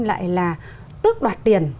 lại là tước đoạt tiền